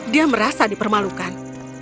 dia merasa dipermalukan